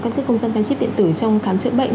các cơ công dân can chip điện tử trong khám chữa bệnh